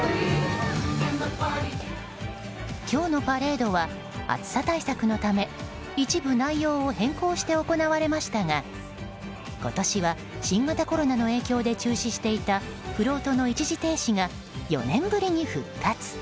今日のパレードは暑さ対策のため一部内容を変更して行われましたが今年は新型コロナの影響で中止していたフロートの一時停止が４年ぶりに復活。